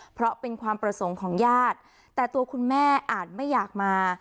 เพราะเป็นความประสงค์ของญาติแต่ตัวคุณแม่อาจไม่อยากมา